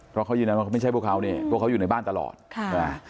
เพราะเขายืนรู้ว่าไม่ใช่พวกเขานี่เพราะเขาอยู่ในบ้านตลอดค่ะ